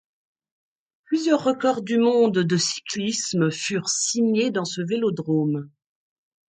Plusieurs records du monde de cyclisme furent signés dans ce vélodrome.